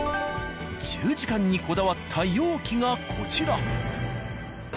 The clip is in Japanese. １０時間にこだわった容器がこちら。